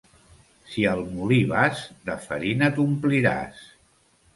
Si al molí vas, de farina t'ompliràs.